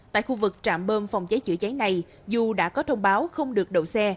tại khu vực trạm bơm phòng cháy chữa cháy này dù đã có thông báo không được đậu xe